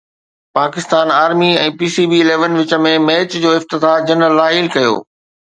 Pakistan army ۽ P C B eleven وچ ۾ match جو افتتاح جنرل راحيل ڪيو